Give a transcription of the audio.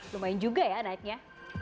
lumayan juga ya naiknya